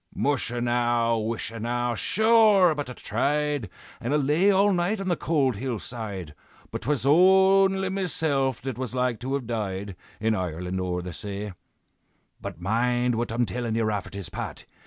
"Musha now! wisha now! sure but I tried, And I lay all night on the cold hill side, But 'twas only mesilf that was like to have died, In Ireland o'er the say. "But mind what I'm tellin' ye, Rafferty's Pat!